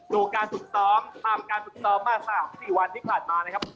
ดูการฝึกซ้อมทำการฝึกซ้อมมา๓๔วันที่ผ่านมานะครับ